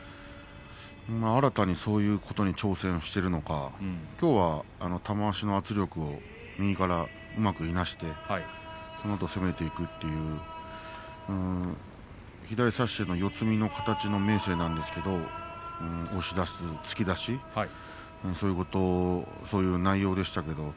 新たにそういうことに挑戦しているのかきょうは玉鷲の圧力をうまくいなして攻めていく左を差しての四つ身の明生なんですが押し出す、突き出すそういう内容でした。